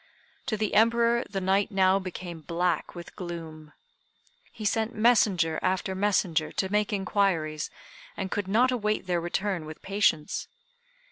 To the Emperor the night now became black with gloom. He sent messenger after messenger to make inquiries, and could not await their return with patience.